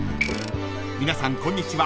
［皆さんこんにちは